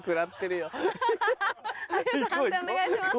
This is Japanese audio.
判定お願いします。